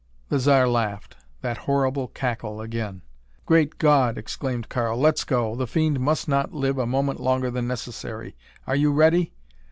The Zar laughed that horrible cackle again. "Great God!" exclaimed Karl, "let's go! The fiend must not live a moment longer than necessary. Are you ready?"